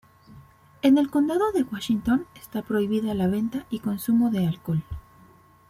En el Condado de Washington está prohibida la venta y consumo de alcohol.